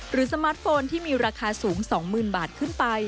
สมาร์ทโฟนที่มีราคาสูง๒๐๐๐บาทขึ้นไป